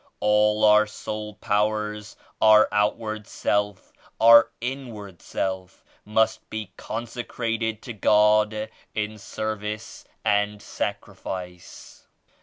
All our soul powers, our outward self, our inward self must be consecrated to God in service and sacrifice.